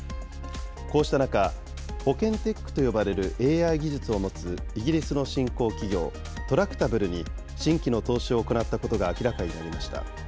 こうした中、保険テックと呼ばれるＡＩ技術を持つイギリスの新興企業、トラクタブルに新規の投資を行ったことが明らかになりました。